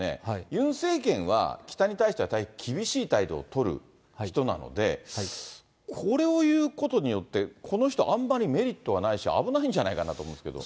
ユン政権は北に対しては大変厳しい態度を取る人なので、これを言うことによって、この人、あんまりメリットはないし、危ないんじゃないかなと思うんですけど。